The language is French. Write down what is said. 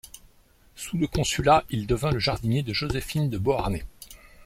Sous le Consulat, il devint le jardinier de Joséphine de Beauharnais.